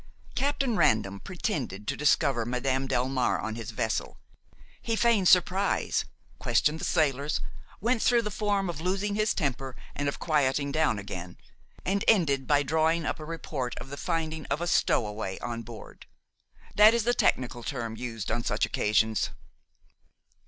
Captain Random pretended to discover Madame Delmare on his vessel; he feigned surprise, questioned the sailors, went through the form of losing his temper and of quieting down again, and ended by drawing up a report of the finding of a stowaway on board; that is the technical term used on such occasions.